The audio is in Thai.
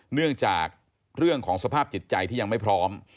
เนื่องจากเรื่องของสภาพจิตใจที่ยังไม่พร้อม